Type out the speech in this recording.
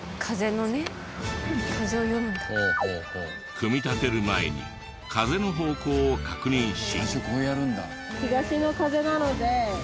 組み立てる前に風の方向を確認し。